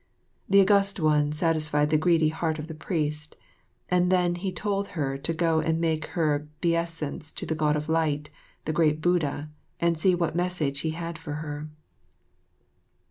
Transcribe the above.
The August One satisfied the greedy heart of the priest, and then he told her to go and make her beisance to the God of Light, the great Buddha, and see what message he had for her.